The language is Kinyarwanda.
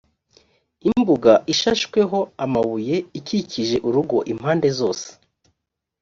imbuga ishashweho amabuye ikikije urugo impande zose